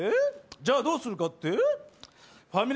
じゃあどうするかってぇ？